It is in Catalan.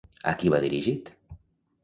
A qui va dirigit?